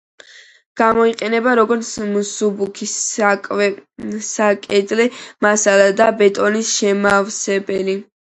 გამოიყენება როგორც მსუბუქი საკედლე მასალა და ბეტონის შემავსებელი.